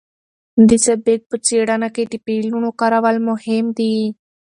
د سبک په څېړنه کې د فعلونو کارول مهم دي.